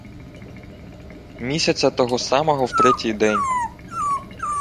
Місяця того самого в третій день